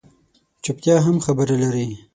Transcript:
چُپتیا هم خبره لري